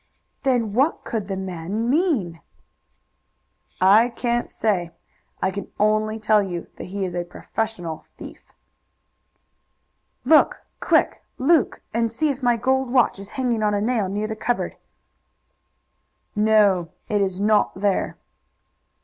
"Then what could the man mean?" "I can't say. I can only tell you that he is a professional thief." "Look quick, Luke, and see if my gold watch is hanging on a nail near the cupboard." "No, it is not there."